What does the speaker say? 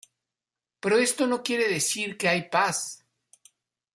Pero esto no quiere decir que hay paz.